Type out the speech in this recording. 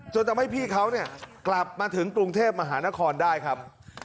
จนทำให้พี่เขาเนี่ยกลับมาถึงกรุงเทพมหานครได้ครับ